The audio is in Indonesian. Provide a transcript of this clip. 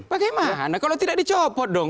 bagaimana kalau tidak dicopot dong